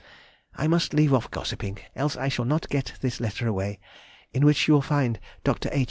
I must leave off gossiping, else I shall not get this letter away, in which you will find Dr. H.